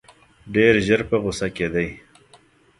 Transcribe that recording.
ډېر ژر په غوسه کېدی.